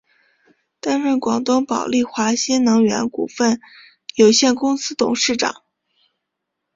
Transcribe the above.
担任广东宝丽华新能源股份有限公司董事长。